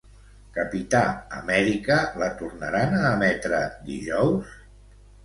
"Capità Amèrica", la tornaran a emetre dijous?